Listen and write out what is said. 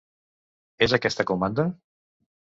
És aquesta comanda?